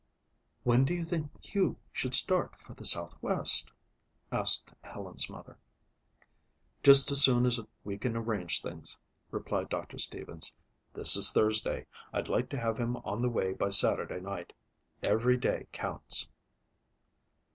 "When do you think Hugh should start for the southwest?" asked Helen's mother. "Just as soon as we can arrange things," replied Doctor Stevens. "This is Thursday. I'd like to have him on the way by Saturday night. Every day counts."